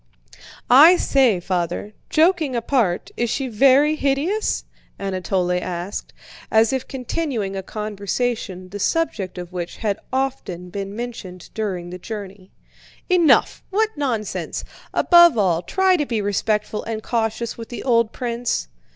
"I say, Father, joking apart, is she very hideous?" Anatole asked, as if continuing a conversation the subject of which had often been mentioned during the journey. "Enough! What nonsense! Above all, try to be respectful and cautious with the old prince."